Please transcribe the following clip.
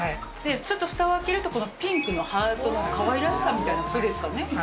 ちょっとふたを開けると、ピンクのハートのかわいらしさみたいなことですかね。